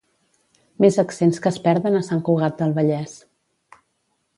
Més accents que es perden a Sant Cugat del Vallès